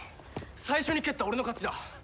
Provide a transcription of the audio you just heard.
最初に蹴った俺の勝ちだ！